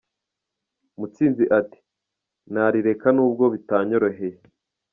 Mutsinzi ati : “Narireka n’ubwo bitanyoroheye.